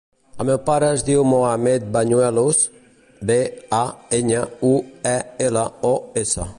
El meu pare es diu Mohammed Bañuelos: be, a, enya, u, e, ela, o, essa.